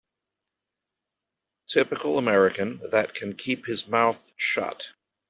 Typical American that can keep his mouth shut.